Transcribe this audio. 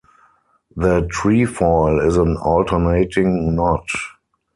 The trefoil is an alternating knot.